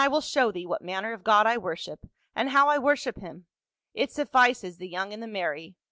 will show thee what manner of god I worship and how I worship him — it suffices the young and the merry.